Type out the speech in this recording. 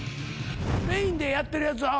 メインでやってるやつは？